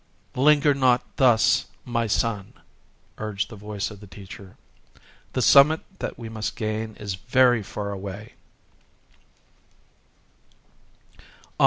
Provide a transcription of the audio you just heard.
"Linger not thus, my son!" urged the voice of the teacher;—"the summit that we must gain is very far away!"